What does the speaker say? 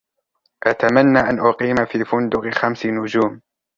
أتمنى أن أقيم في فندق خمس نجوم.